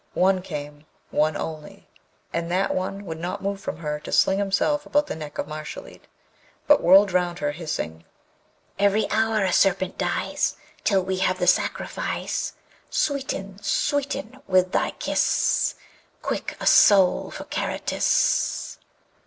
One came, one only, and that one would not move from her to sling himself about the neck of Mashalleed, but whirled round her, hissing: Every hour a serpent dies, Till we have the sacrifice: Sweeten, sweeten, with thy kiss, Quick! a soul for Karatis.